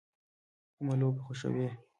کومه لوبه خوښوئ؟